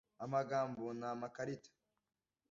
amagambo ni amakarita